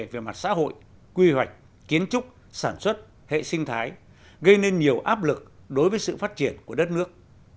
về mặt xã hội quy hoạch kiến trúc sản xuất hệ sinh thái gây nên nhiều áp lực đối với sự phát triển của đất nước